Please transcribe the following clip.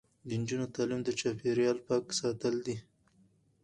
د نجونو تعلیم د چاپیریال پاک ساتل دي.